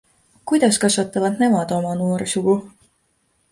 Kuidas kasvatavad nemad oma noorsugu?